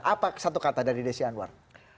apa satu kata dari desi anwar